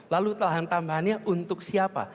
lalu lahan tambahannya untuk siapa